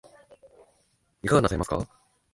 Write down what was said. いかがなさいますか